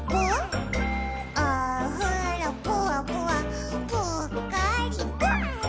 「おふろぷわぷわぷっかりぽっ」